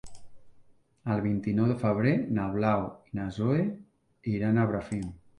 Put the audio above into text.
El vint-i-nou de febrer na Blau i na Zoè iran a Bràfim.